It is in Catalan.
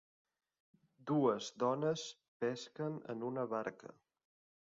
dues dones pesquen en una barca.